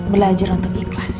belajar untuk ikhlas